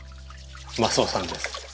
マスオさんです。